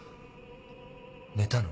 寝たの？